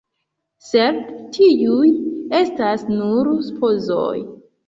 Sed tiuj estas nur supozoj.